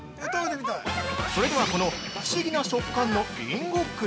◆それでは、この不思議な食感のりんごっくる。